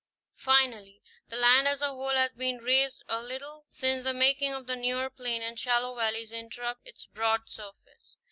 Finally, the land as a whole has been raised a little since the making of the newer plain, and shallow valleys interrupt its broad surface.